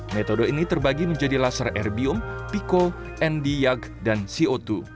metode ini terbagi menjadi laser erbium pico nd yag dan co dua